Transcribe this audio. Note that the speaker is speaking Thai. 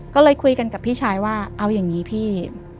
ก็เลยคุยกันกับพี่ชายว่าเอาอย่างนี้พี่